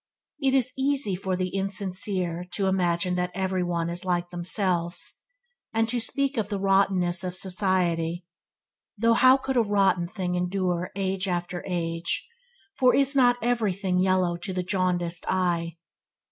It is easy for the insincere to imagine that everybody is like themselves, and to speak of the "rottenness of society", though a rotten thing could endure age after age, for is not everything yellow to the jaundiced eye?